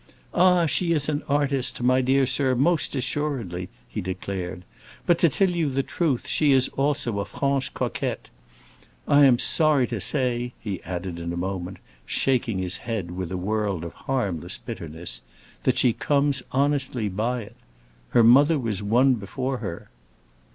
"Ah, she is an artist, my dear sir, most assuredly," he declared. "But, to tell you the truth, she is also a franche coquette. I am sorry to say," he added in a moment, shaking his head with a world of harmless bitterness, "that she comes honestly by it. Her mother was one before her!"